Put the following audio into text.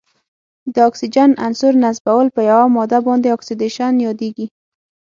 د اکسیجن عنصر نصبول په یوه ماده باندې اکسیدیشن یادیږي.